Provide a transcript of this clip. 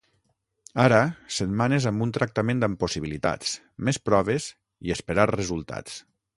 Ara setmanes amb un tractament amb possibilitats, més proves i esperar resultats.